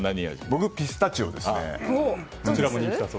僕はピスタチオですね。